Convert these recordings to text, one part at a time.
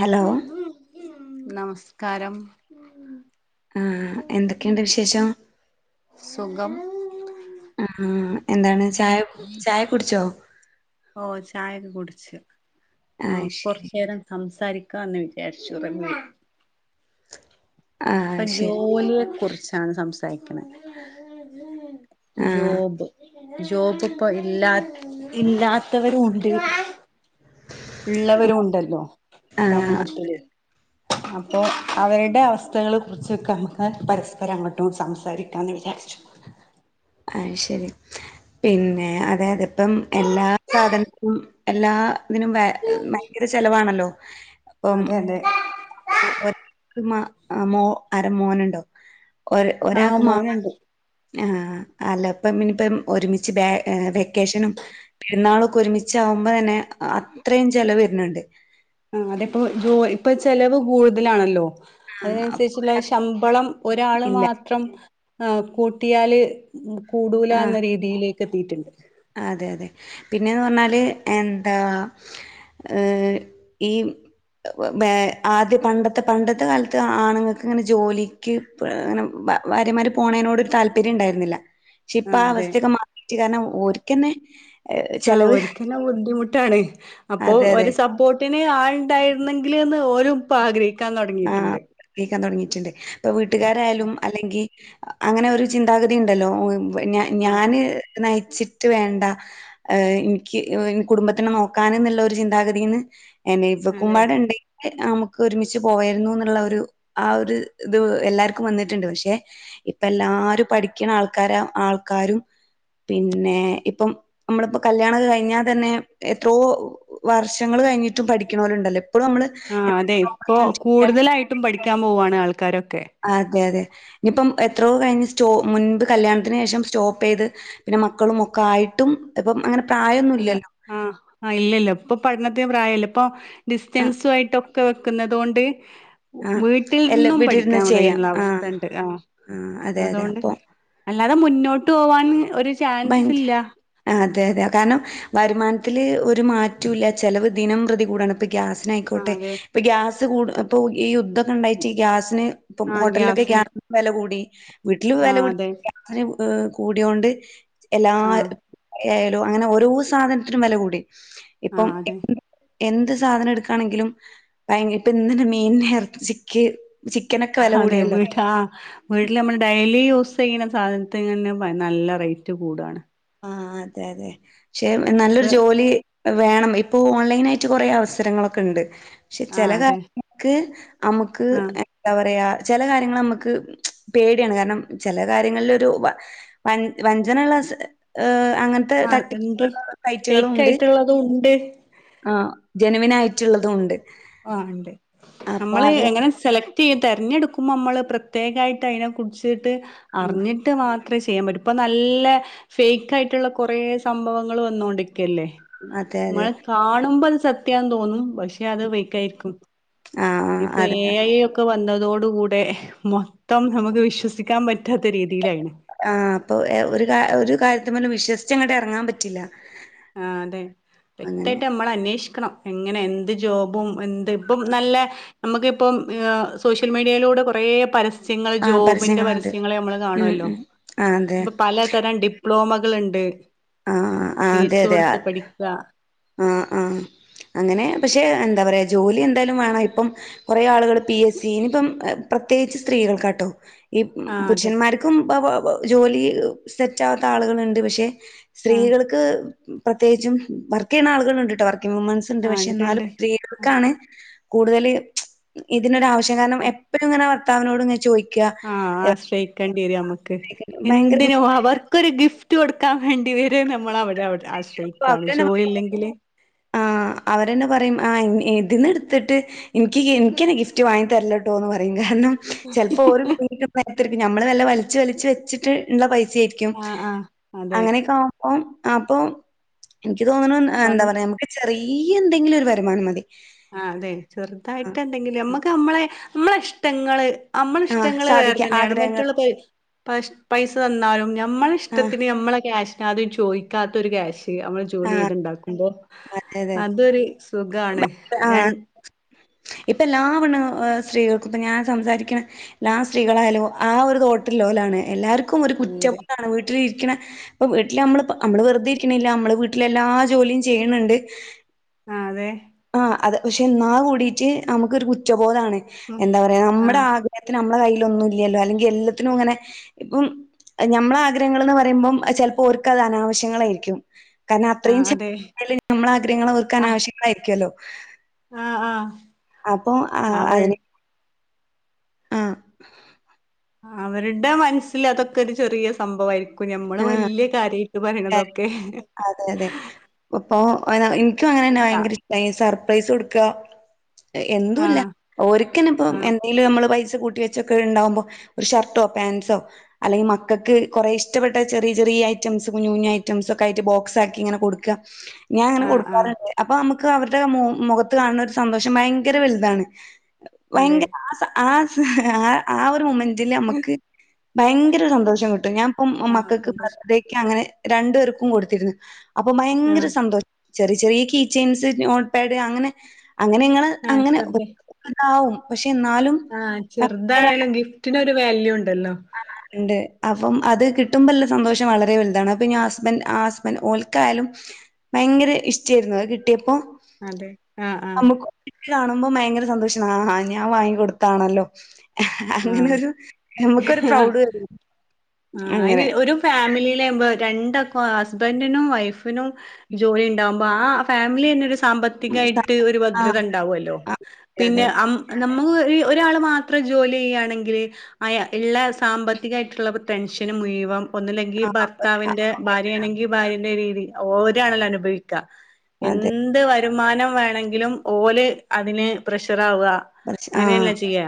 Hello നമസ്കാരം ആ എന്തൊക്കെയുണ്ട് വിശേഷം സുഖം എന്താണ് ചായ ചായകുടിച്ചോ ഓ ചായൊക്കെ കുടിച്ചു ആഹ് നമുക്ക് ശരി കൊറച്ചേരം സംസാരിക്കാ എന്നു വിചാരിച്ചുറങ്ങി ആഹ് ഇപ്പൊ ശരി ജോലിയെക്കുറിച്ചാണ് സംസാരിക്കണേ ആഹ് ജോബ് ജോബിപ്പൊ ഇല്ലാ ഇല്ലാത്തവരും ഉണ്ട് ഉള്ളവരും ഉണ്ടല്ലോ ആഹ് സമൂഹത്തില് അപ്പോ അവരുടെ അവസ്ഥകളെ കുറിച്ചൊക്കെ നമ്മുക്ക് പരസ്പരം അങ്ങോട്ടും സംസാരിക്കാന്ന് വിചാരിച്ചു അയ്ശെരി പിന്നെ അതായതിപ്പം എല്ലാ സാധനത്തിലും എല്ലാ ഇതിനും വൈ ഭയങ്കരചെലവാണല്ലോ ഇപ്പം അതെ അതെ ഒ മ മോ ആരാ മോനുണ്ടോ ഒര് ആ ഒരാൾക്ക് മാ മോനുണ്ട് ആ അല്ലപ്പാ ഇനിപ്പം ഒരുമിച്ച് ബേ വെക്കേഷനും പെരുന്നാളൊക്കെ ഒരുമിച്ചാവുമ്പോതന്നെ അത്രയും ചെലവ് വരണൊണ്ട് ആ അതപ്പോ ജോ ഇപ്പൊ ചെലവ് കൂടുതലാണല്ലോ ആഹ് അപ്പൊ അതിനനുസരിച്ചുള്ള ശമ്പളം ഇല്ല ഒരാളുമാത്രം ആ കൂട്ടിയാല് കൂടൂലാ ആ എന്നരീതിയിലേക്ക് എത്തിയിട്ടുണ്ട് അതെ അതെ പിന്നേന്ന് പറഞ്ഞാല് എന്താ ഏ ഈം ആദ്യ പണ്ടത്തെ പണ്ടത്തെക്കാലത്ത് ആണുങ്ങൾക്കിങ്ങനെ ജോലി ക്ക് ങ്ങനെ വാര്യമാര് പോണയ്നോട് ഒരു താല്പര്യം ഉണ്ടായിരുന്നില്ല ക്ഷേ ഇപ്പ ആ അവസ്ഥയൊക്കെ മാറിയിട്ട് കാരണം ഓര് ആ ഓരിക്കന്നെ ബുദ്ധിമുട്ടാണ് അപ്പൊ അതെ, അതെ. ഒരുസപ്പോട്ട് ട്ടിന് ആളുണ്ടായിരുന്നെങ്കിലെന്ന് ഓലിപ്പം ആഗ്രഹിക്കും ആ ഗ്രഹിക്കാൻ തൊടങ്ങിട്ടുണ്ട് ഇപ്പൊ വീട്ടുകാരായാലും അല്ലെങ്കി അങ്ങനെയൊരു ചിന്താഗതിയുണ്ടല്ലോ ഞ ആ ഞാന് നയിച്ചിട്ട് വേണ്ട എനിക്ക് കുടുംബത്തിനെ നോക്കാനെന്നുള്ള ഒരു ചിന്താഗതീന്ന് എന്നെ അതെ അതെ ഇവക്കുമ്പാടുണ്ടെങ്കി നമുക്കൊരുമി ച്ചു പോവായിരുന്നു എന്നുള്ള ഒരു ആ ഒരു ഇത് എല്ലാവർക്കും വന്നിട്ടുണ്ട് പക്ഷെ ഇപ്പ എല്ലാരും പഠിക്കണ ആൾക്കാര ആൾക്കാരും പിന്നെ ഇപ്പം നമ്മളിപ്പോ കല്യാണൊക്കെ കഴിഞ്ഞാതന്നെ എത്രോ വർഷങ്ങള് കഴിഞ്ഞിട്ടും പഠിക്കണോല്ലൊണ്ടല്ലോ ഇപ്പഴും നമ്മള് ആ അതെ എന്തെങ്കിലും ഇപ്പൊ ഓപ്പർച്യൂണിറ്റി കിട്ടിയാല് കൂടുതലായിട്ടും പഠിക്കാൻ പോവാണ് ആൾക്കാരൊക്കെ അതെ അതെ ഇനിയിപ്പം എത്രയോകഴിഞ്ഞ് സ്റ്റോ മുൻപ് കല്യാണത്തിനുശേഷം സ്റ്റോപ്പ് ചെയ്ത് പിന്നെ മക്കളുമൊക്കെ ആയിട്ടും ഇപ്പം അങ്ങനെ പ്രായൊന്നും ഇല്ലല്ലോ ആ ആ ഇല്ല ഇല്ല ഇപ്പൊ പഠനത്തിന് പ്രായില്ല ഇപ്പൊ ആഹ് ഡിസ്റ്റൻസും ആയിട്ടൊക്കെ വെക്കുന്നതുകൊണ്ട് ആഹ് എല്ലാം വീട്ടിൽനിന്നും വീട്ടിരുന്ന് പഠിക്കാൻ ചെയ്യാം കഴിയുന്ന ആഹ് അവസ്ഥയൊണ്ട് ആ ആഹ് അതെ അതെ അതൊണ്ട് അപ്പൊ അല്ലാതെ മുന്നോട്ടുപോവാനും ഒരു ഭയങ്ക ചാൻസില്ല അതെ അതെ കാരണം വരുമാനത്തില് ഒരു മാറ്റവില്ല ചിലവ് ദിനംപ്രതി കൂടാണ് പ്പി ആഹ് ഗ്യാസിനായിക്കോട്ടെ അതെ ഇപ്പൊ ഗ്യാസ് കൂട് ഇപ്പൊ ഈ യുദ്ധൊക്കെ ഉണ്ടായിട്ട് ഗ്യാസിന് ഇപ്പം ആഹ് ഹോട്ടലിലൊക്കെ ഗ്യാസ് ഗ്യാസിന് വില കൂടി വീട്ടിൽ വില ആഹ് കൂടി അതെ അതിന് ഏ കൂടിയോണ്ട് എല്ലാ ആഹ് യാലോ അങ്ങനെ ഓരോ സാധനത്തിനും വില കൂടി ഇപ്പം ആഹ് അതെ എന്ത് സാധനം എടുക്കുകയാണെങ്കിലും ഭയങ്കര ഇപ്പ എന്ന്ന മീൻറച്ചിക്ക് ചിക്കനി. ക്കെ വില കൂടിയല്ലോ ആ ആാ [unintelligible] വീട്ടിൽ നമ്മൾ ഡെയിലി യൂസ് ചെയ്യുന്ന സാധനത്തിങ്ങനെ നല്ല റേറ്റ് കൂടയാണ് ആ അതെ അതെ പക്ഷെ ഇപ്പ നല്ലൊരു ജോലി വേണം ഇപ്പൊ ഓൺലൈൻ ആയിട്ട് കുറെേ അവസരങ്ങളൊക്കെ ഉണ്ട് പക്ഷെ ആഹ് ചില അതെ കാര്യങ്ങൾക്ക് നമുക്ക് ആഹ് എന്താ പറയാ ചില കാര്യങ്ങൾ നമുക്ക് പേടിയാണ് കാരണം ചില കാര്യങ്ങളിലൊരു വ വഞ്ചനള്ള അങ്ങനെ ആഹ് ഉണ്ട് തട്ടിപ്പുള്ള സൈറ്റുകളും ഫേക്ക് ഉണ്ട് ആയിട്ടുള്ളതും ഉണ്ട് ആ ജെനുവിൻ ആയിട്ടുള്ളതും ഉണ്ട് ആ ഉണ്ട് അപ്പൊ നമ്മള് അത് എങ്ങനെ സെലക്ട് തിരഞ്ഞെടുക്കുമ്പോൾ നമ്മൾ പ്രത്യേകമായിട്ട് അതിനെ കുടിച്ചിട്ട് അറിഞ്ഞിട്ട് ഇട്ട് മാത്രമേ ചെയ്യാൻ പറ്റും ഇപ്പൾ നല്ല ഫേക്ക് ആയിട്ടുള്ള കുറേ സംഭവങ്ങൾ വന്നോണ്ടിരിക്കല്ലേ അതെ അതെ നമ്മള് കാണുമ്പോ അത് സത്യന്ന് തോന്നും പക്ഷെ അത് ഫെയ്ക്കായിരിക്കും ആഹ് അതെ ഇപ്പൊ വന്നതോട കൂടെ മൊത്തം നമുക്ക് വിശ്വസിക്കാൻ പറ്റാത്ത രീതിയിലായിണ് ആ അപ്പൊ ഒരു ഒരു കാര്യത്തി പോലും വിശ്വസിച്ച അങ്ങട്ട് ഇറങ്ങാൻ പറ്റില്ല ആ അതെ അങ്ങനെ വ്യക്തായിട്ട് നമ്മള അന്വേഷിക്കണം എങ്ങനെ എന്ത് ജോബും എന്താ ഇപ്പം നല്ല നമുക്കിപ്പം സോഷ്യൽ മീഡിയയിലൂടെ കുറേ പര പസ്യങ്ങള് ആഹ് ജോബിന്റെ പരസ്യങ്ങളുണ്ട് പരസ്യങ്ങളെ നമ്മൾ ഉം കാണുല്ലോ ഉം ആഹ് അതെ ഇപ്പൊ പലതരം ഡിപ്ലോമകൾ ഉണ്ട് ആ ആ അതെ അതെ ആഹ് ആഹ് അങ്ങനെ പക്ഷെ എന്താ പറയാ ജോലി എന്തായാലും വേണ ഇപ്പം കുറെ ആളുകള് പി എസ് സി ഇനിയിപ്പം പ്രത്യേകിച്ച് സ്ത്രീകൾക്ക് കേട്ടോ ഈ ആ അതെ പുരുഷന്മാർക്കും ജോലി സെറ്റാവാത്ത ആളുകളൾ ഉണ്ട് പക്ഷെ ആ സ്ത്രീകൾക്ക് പ്രത്യേകിച്ചും വർക്ക് ചെയ്യണ ആളുകൾ ഉണ്ട്ട്ടോ വർക്കിംഗ് വുമൻസ് ണ്ട് ആ പക്ഷെ ഉണ്ട് എന്നും ഉണ്ട് സ്ത്രീകൾക്കാണ് കൂടുതൽ ഇതിനൊരാവശ കാരണം എപ്പോഴും ഇങ്ങനെ ഭർത്താനോട് ഇങ്ങെ ചോദിക്കുക ആ ആശ്രയിക്കേണ്ടി വരും നമ്മുക്ക് ഭയങ്കര എന്തിനോ അവർ ൊ ഒരു ഗിഫ്റ്റ് കൊടുക്കാൻ വേണ്ടി വരെ നമ്മൾവിടെ ബുദ്ധിമുട്ടായിരിക്കും ആശ്രയിക്കുകയാണ് ജോലി ഇല്ലെങ്കിൽ ആ അവരെന്നെ പറയും ആ ഇതിന്ന് എടുത്തിട്ട് എനിക്ക് എനിക്കിനെ ഗിഫ്റ്റ് വാങ്ങി തരല്ല കേട്ടോ എന്ന് പറയും കാരണം ചിലപ്പോ ഓ പോയിട്ടും [unintelligible] നമ്മള് വല്ല വലിച്ച് വലിച്ച് വെച്ചിട്ട് ഉള്ള പൈസ ആരിക്കും ക്കും ആ ആ അതെ അങ്ങനെയൊക്കെ ആവുമ്പോ അപ്പൊ എനിക്ക് തോന്ന്ണ് എന്താ സ്വന്തം പറയാ നമുക്ക് ചെറിയ എന്തെങ്കിലും ഒരു വരുമാനം മതി ആ അതെ ചെറുതായിട്ട് ആഹ് എന്തെങ്കിലും നമ്മക്ക് നമ്മളെ നമ്മളെ ഇഷ്ടങ്ങള് ആഹ് നമ്മളിഷ്ടങ്ങ വേറെ സാധിക്ക തന്നെയാണ് ആഗ്രഹങ്ങൾ മറ്റുള്ള പ പൈസ തന്നാലും നമ്മള ആഹ് ഇഷ്ടത്തിന് നമ്മളെ ക്യാഷിന ആദ്യം ചോദിക്കാത്ത ഒരു ക്യാഷ് നമ്മള് ജോലി ആഹ് ചെയ്തുണ്ടാക്കുമ്പോ അതെ അതെ അതൊരു സുഖാണ് രൺ ഇപ്പ എല്ലാ പെണ് സ്ത്രീകൾക്കും ഇപ്പൊ ഞാൻ സംസാരിക്കണ എല്ലാ ആ സ്ത്രീകളായാലും ആ ഒരു തോട്ട് ള്ളലാണ് എല്ലാവർക്കും ഒരു ആഹ് അതെ കുറ്റബോധാണ് വീട്ടിൽ ഇപ്പ വീട്ടില് നമ്മള് നമ്മള് വെറുതെ ഇരിക്കണില്ല നമ്മള് വീട്ടിലെ എല്ലാ ജോലിയും ചെയ്യണണ്ട് ആ അതെ ആഹ് അത് പക്ഷെ എന്നാ കൂടിട്ട് നമുക്കൊരു കുറ്റബോധമാണ് ഉം എന്താ പറയാ നമ്മുടെ ആഹ് ആഗ്രഹ നമ്മളെ കയ്യിലൊ ഒന്നും ഇല്ലല്ലോ അല്ലെങ്കിൽ എല്ലത്തിനും ഇങ്ങനെ ഇപ്പം നമ്മള് ആഗ്രഹങ്ങളൾ എന്ന് പറയുപ്പോ ചിലപ്പോ ഓരെക്ക് അത് അനാവശ്യങ്ങളായിരിക്കും. കാരണം അത്രയും ആഹ് അതെ ചിലത് നമ്മളെ ആഗ്രഹങ്ങൾ ഓരെക്ക് ആഹ് അനാവശ്യങ്ങൾ ആയിരിക്കുമല്ലോ? ആഹ് ആഹ് അപ്പൊ ആഹ് അവൾ അതിന്. ആഹ് അവരുടെ മനസ്സിൽ അതൊക്കെ ഒരു ചെറിയ സംഭവയിരിക്കും, ഞമ്മള് വലിയ കാര്യം. ഇത് ആ പറയുന്നതൊക്കെ. അതെ അതെ അപ്പൊ എനിക്കും അങ്ങനെ തന്നെ ഭയങ്കര ഇഷ്ടായി സർപ്രൈസ് കൊടുക്ക. എന്തു ആഹ് ഇല്ല ആഹ് ഓരെക്ക് തന്നെ ഇപ്പ എന്ത്. എന്നേലും നമ്മള് പൈസ കൂട്ടിവെച്ചൊക്കെ ഉണ്ടാവുമ്പോ ഒരു ഷർട്ടോ പാൻറ്സോ. അല്ലെങ്കിൽ മക്കൾക്ക് കുറെ ഇഷ്ടപ്പെട്ട ചെറിയ ചെറിയ ഐറ്റംസ്. ഇത് കുഞ്ഞ കുഞ്ഞു ഐറ്റംസ് ഒക്കെ ആയിട്ട് ബോക്സ് ആക്കി ഇങ്ങനെ കൊടുക്കു, ഞാൻ അങ്ങനെ ആഹ് ആഹ് കൊടുക്കാറുണ്ട്. അപ്പൊ നമുക്ക് അവരുടെ മോ മുഖത്ത് കാണുന്ന ഒരു സന്തോഷം ഭയങ്കര വലുതാണ് അതെ ഭയങ്കര ആഹ് സ ആഹ് സ ആഹ് ആഹ് ഒരു മൂവ്മെന്റ്. മെന്റ് നമുക്ക് ഭയങ്കര സന്തോഷം കിട്ടും, ഞാൻ ഇപ്പം ആഹ് മക്കൾക്ക് സന്തോഷം ബർത്ത് ഡേക്ക്. ക്ക് അങ്ങനെ രണ്ടുപേർക്കും കൊടുത്തിരുന്നു, അപ്പൊ ഭയങ്കര ആഹ് സന്തോഷം. ചെറിയ ചെറിയ കീച്ചെൻസ് നോട്ട്പാഡ് അങ്ങനെ അങ്ങനെ നിങ്ങൾ ആഹ് അങ്ങനെ. ചെറുത് അതാവും പക്ഷെ എന്നാലും. ആഹ് ഭയങ്കര ചെറുതാണൊലും ഗിഫ്റ്റിനൊരു വാല്യൂ ഉണ്ടല്ലോ? ആഹ് ഇണ്ട് അപ്പം അത് കിട്ടുമ്പോ അല്ലേ സന്തോഷം വളരെ വലുതാണ്, അപ്പൊ ഇനി ഹുസ്ബൻഡ് ആഹ് ഹുസ്ബൻഡ് ഓൾക്കായാലും. ഭയങ്കര ഇഷ്ടായിരുന്നു അത് കിട്ടിയപ്പോ. അതെ ആഹ് നമുക്ക് ഇട്ട് കാണുമ്പോ ഭയങ്കര സന്തോഷമാണ് ആഹ് ആഹ് ഞാൻ വാങ്ങിക്കൊടുത്തത് ആണല്ലോ. ആഹ് അങ്ങനൊരു നമുക്കൊരു ആഹ് പ്രൗഡ് വരും, അങ്ങനെ. ഫാമിലിയിലെ രണ്ട് ആൾക്കും ഹുസ്ബൻഡിനും വൈഫിനും. ജോലി ഉണ്ടാകുമ്പോ ആഹ് ഫാമിലി തന്നെ ഒരു സാമ്പത്തിക. ത്തിക ആയിട്ട് ഒരു ആഹ് ഭദ്രത ഉണ്ടാവുമല്ലോ, ആഹ് അതെ പിന്നെ അതെ. ആം നമുക്ക് ഒരു ഒരാൾ മാത്ര ജോ ജോലി ചെയ്യുകയാണെങ്കിൽ അയ് ഉള്ള സാമ്പത്തിക ആയിട്ടുള്ള ടെൻഷന് മുഴുവൻ. ഒന്നില്ലെങ്കിൽ ആഹ് ഭർത്താവിന്റെ ഭാര്യയാണെങ്കിൽ ഭാര്യന്റെ രീതി ഓര് ആണല്ലോ അനുഭവിക്കാ. അതെ എന്ത് വരുമാനം വേണെങ്കിലും ഓല് അതിന് പ്രഷറ് ആവുക. പക്ഷെ ആഹ് അങ്ങനെയല്ലാ ചെയ്യാ.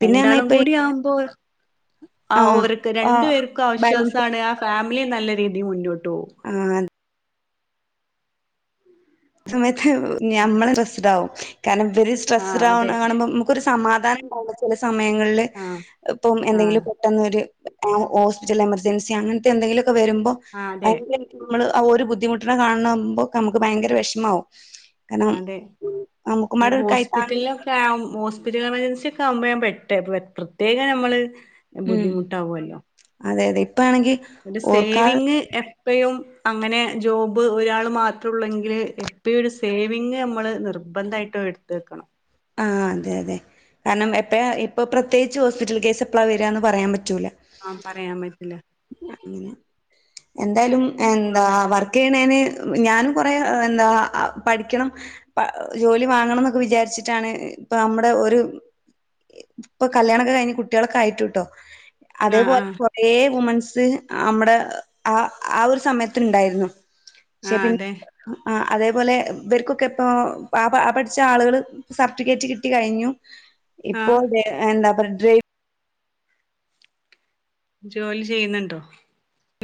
പിന്നെ പറഞ്ഞാ രണ്ടാളും ഇപ്പ കൂടി ആവുമ്പോ ആഹ് ഓർക്ക് രണ്ടുപേർക്കും ബാലൻസ് ആശ്വാസമാണ്. ഫാമിലി നല്ല രീതിയിൽ മുന്നോട്ട് പോക്കും. ആഹ് ആഹ് സമയത്ത് നമ്മളെ സ്ട്രെസ്ഡ് ആകും, കാരണം ഇവര് ആഹ് സ്ട്രെസ്ഡ അതെ ആണ് കാണുമ്പോൾ നമുക്ക്. ഒരു സമാധാനം ഉണ്ടാവൂല്ല, ചില സമയങ്ങളില് ആഹ് ഇപ്പം എന്തെങ്കിലും ആഹ് പെട്ടെന്ന് ഒരു. ആഹ് ഹോസ്പിറ്റൽ എമർജൻസി അങ്ങനത്തെ എന്തെങ്കിലുമൊക്കെ വരുമ്പോൾ ആഹ് അതെ ഭയങ്കര. നമ്മള് ഒര് ബുദ്ധിമുട്ടിന് കാണകുമ്പോൾ നമുക്ക് ഭയങ്കര വിഷമാവും. കാരണം അതെ നമുക്കും വേണ്ടേ ഒരു കൈത്താങ്ങ്. ഒക്കെയാവും ഹോസ്പിറ്റൽ എമർജൻസി ഒക്കെ ആവുമ്പോൾ ഞാൻ പെട്ടുയിരുന്നു പ്രത്യേകം ഞമ്മള്. ഉം ബുദ്ധിമുട്ടാവല്ലോ? അതെ അതെ ഇപ്പാണെങ്കിൽ. ഒരു സേവിങ് ഏഹ്. ബാപ്പയും അങ്ങനെ ജോബ് ഒരാള് മാത്രം ഉള്ളെങ്കിൽ എപ്പോഴും ഒരു സേവിങ് നമ്മളെ ഇടും. നിർബന്ധമായിട്ടും എടുത്തിടണം. ആഹ് അതെ അതെ കാരണം എപ്പഴാ ഇപ്പൊ പ്രത്യേകിച്ച് ഹോസ്പിറ്റൽ കേസ് എപ്പഴാ വരികയെന്ന് പറയാൻ പറ്റൂല. ആഹ് പറയാൻ പറ്റില്ല. ഉം എന്തായാലും എന്താ ആഹ് വർക്ക്. ഇക്ക ആണെൽ ഞാൻ കൊറെ എന്താ പഠിക്കണം. പ ജോലി വാങ്ങണം എന്നൊക്കെ വിചാരിച്ചിട്ടാണ് ഇപ്പൊ നമ്മടെ ഒരു. ഇപ്പൊ കല്യാണം ഒക്കെ കഴിഞ്ഞ് കുട്ടികളൊക്കെ ആയിട്ട് ഉണ്ടോ, അതേപോലെ ആഹ് കുറേ. വുമൺസ് നമ്മുടെ ആഹ് ആഹ് ഒരു സമയത്തുണ്ടായിരുന്നു. പക്ഷെ ആഹ് പിന്നേ അതെ ആഹ് അതേപോലെ ഇവർക്കൊക്കെ ഇപ്പൊ ആ പഠിച്ച ആളുകള് സർട്ടിഫിക്കറ്റ് കിട്ടി കഴിഞ്ഞു. ഇപ്പോ ആഹ് എന്താ പറ ഡ്രീം. ജോലി ചെയ്യുന്നുണ്ടോ?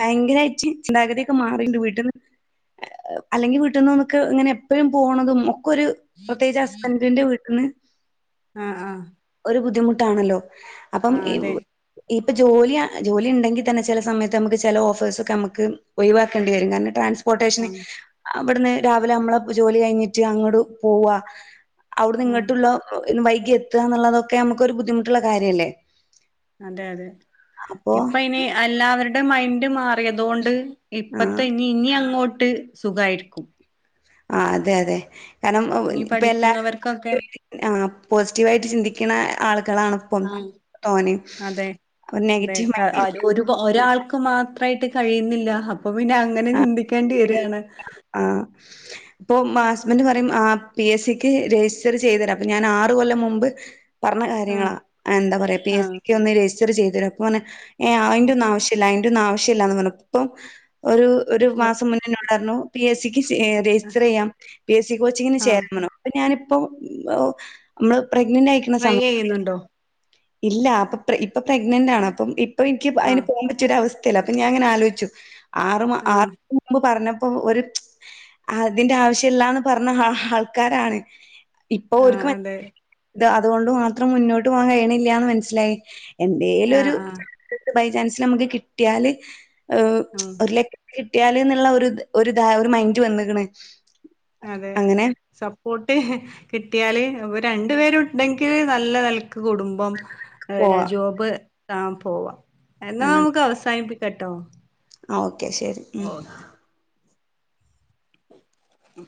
ഭയങ്കരായിറ്റ് ചിന്താഗതിയൊക്കെ മാറിണ്ട് വീട്ടിന്ന്. അല്ലെങ്കിൽ വീട്ടിന്ന് നമുക്ക് ഇങ്ങനെ എപ്പഴും പോണതും ഒക്കെ ഒരു എന്റെ വീട്ടിന്ന്. ആഹ് ആഹ് ഒരു ബുദ്ധിമുട്ടാണല്ലോ? അപ്പം ആഹ് ഈ- അതെ ഇപ്പം ജോലിയാ ജോലി ഉണ്ടങ്കി തന്നെ ചില സമയത്ത്. നമുക്ക് ചില ഓഫേഴ്സ് ഒക്കെ നമുക്ക് ഒഴിവാക്കേണ്ടി വരും. കാരണം ട്രാൻസ്പോർട്ടേഷന് ആഹ് അവിടുന്ന് രാവിലെ നമ്മളെ ജോലി കഴിഞ്ഞിട്ട് അങ്ങട് പോവ. ആഹ് അവ്ടുന്നിങ്ങട്ടുള്ള. ന്ന് വൈകി എത്തോകാന്നുള്ളതൊക്കെ നമുക്ക് ഒരു ബുദ്ധിമുട്ടുള്ള കാര്യല്ലേ? അതെ ഡ്ജഘ. അപ്പോ ഇപ്പൊ അയിന് എല്ലാവരുടെ മൈൻഡ് മാറിയതോണ്ട്. ഇപ്പത്തെ ആഹ് ഇനി ഇനി അങ്ങോട്ട് സുഖായിരിക്കും. ആഹ് അതെ അതെ കാരണം ഇനി ഇപ്പൊ എല്ലാ- പഠിക്കുന്നവർക്കൊക്കെ ആഹ് പോസിറ്റീവായിട്ട് ചിന്തിക്കണ ആളുകളാണ് ഇപ്പം ആഹ് തോനേം. അതെ ഒരു അതെ നെഗറ്റീവ് മൈൻഡ് ഇ ഒരു ഒരാൾക്ക് മാത്രമായിട്ട് കഴിയുന്നില്ല. അപ്പൊ പിന്നെ അങ്ങനെ ചിന്തിക്കേണ്ടി വരാണ്. ആഹ് ഇപ്പൊ ഹസ്ബൻഡ് പറയും ആഹ് പി. എസ്. സിക്ക് രജിസ്റ്റർ ചെയ്ത് തരാം. അപ്പൊ ഞാൻ ആറ് കൊല്ലം മുമ്പ് പറഞ്ഞ ആഹ് കാര്യങ്ങളാ എന്താ പറയാ പി. എസ്. ആഹ് സിക്ക് ഒന്ന് രജിസ്റ്റർ ചെയ്തരോ? അപ്പൊ പറഞ്ഞ് ഏഹ് അതിന്റെ ഒന്നും ആവശ്യ ല്ല അയിന്റെ ഒന്നും ആവശ്യല്ലാന്ന് പറഞ്ഞു. ഇപ്പം ഒരു ഒരു ഇപ്പൊ മാസം മുന്നെ എന്നോട് പറഞ്ഞു പി എസ് സിക്ക് ചേ രജിസ്റ്റർ ചെയ്യാം പി എസ് സി കോച്ചിങ്ങിന് ആഹ് ചേരാം പറഞ്ഞു. ഞാനിപ്പൊ നമ്മള് പ്രഗ്നന്റ് ആയി ട്രൈ ചെയ്യുന്നുണ്ടോ? ഇല്ല. അപ്പൊ ഇപ്പൊ പ്രഗ്നന്റ് ആണ്. അപ്പം ഇപ്പൊ എനിക്ക് അതിന് ആഹ് പോകാൻ പറ്റിയ ഒരു അവ സ്ഥല്ല അപ്പൊ ഞാന്ങ്ങനെ ആലോചിച്ചു. ആറുമാ ആഹ് ആറ് മുമ്പ് പറഞ്ഞപ്പോ ഒരു അതിന്റെ ആവശ്യല്ലാന്ന് പറഞ്ഞ ആൾക്കാരാണ്. ഇപ്പൊ ആഹ് ഓരുക്ക് അതെ മനസിലാക്ണ്ട്, അതുകൊണ്ട് മാത്രം മുന്നോട്ട് പോകാൻ കഴിയണില്ല എന്ന് മനസ്സിലായി. എന്തേലും ഒരു ആഹ് ആഹ് ബൈചാൻസില് നമുക്ക് കിട്ടിയാല് ഉം ഒരു ലക്ക്. കിട്ടിയാലോന്ന്ള്ള ഒരു ഒരു, ഒരു മൈൻഡ് വന്നേക്ക്ണ്. അതെ സ- സപ്പോട്ട് കിട്ടിയാല് രണ്ടു പേരുണ്ടെങ്കില് നല്ല നെലക്ക് കുടുംമ്പം. പോവാ. ജോബ് പോവാ. എന്നാ നമുക്ക് അവസാനിപ്പിക്കാട്ടോ? ആഹ് ഓക്കെ ശെരി ഉം ഉം.